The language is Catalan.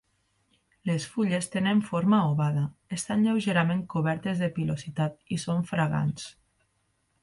Les fulles tenen forma ovada, estan lleugerament cobertes de pilositat i són fragants.